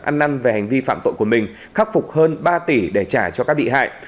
nhân về hành vi phạm tội của mình khắc phục hơn ba tỷ để trả cho các bị hại